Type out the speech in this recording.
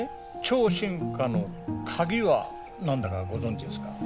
超進化のカギは何だかご存じですか？